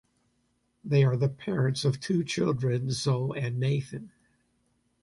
They are the parents of two children, Zoe and Nathan.